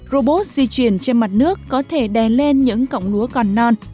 robot di chuyển trên mặt nước có thể đèn lên những cổng lúa còn non